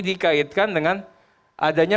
dikaitkan dengan adanya